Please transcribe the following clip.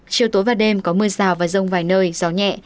chiều tối và đêm có mưa rào và rông vài nơi gió nhẹ